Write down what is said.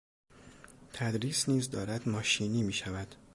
تدریس نیز دارد ماشینی میشود.